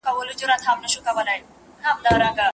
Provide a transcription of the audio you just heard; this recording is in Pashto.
له ښکاري کوترو چا وکړل سوالونه